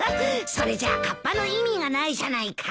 それじゃかっぱの意味がないじゃないか。